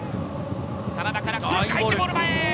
真田からクロスが入ってゴール前。